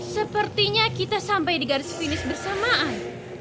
sepertinya kita sampai di garis finish bersamaan